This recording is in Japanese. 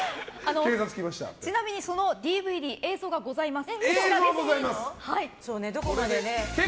ちなみにそのＤＶＤ映像がございます。